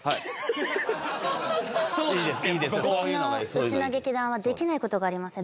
うちの劇団は出来ないことがありません。